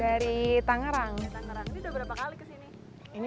dari tangerang ini udah berapa kali kesini